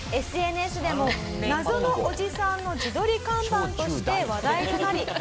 ＳＮＳでも謎のおじさんの自撮り看板として話題となり。